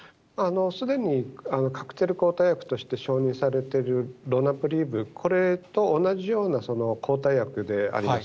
すでにカクテル抗体薬として承認されてるロナプリーブ、これと同じような抗体薬であります。